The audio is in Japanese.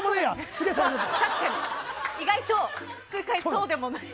意外と数回、そうでもない。